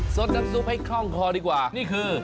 สดน้ำซุปให้คล่องคอดีกว่านี่คือ